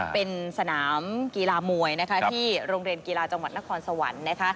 เป็นสนามกีฬามวยนะคะครับที่โรงเรียนกีฬาจังหวัดนครสวรรค์นะคะ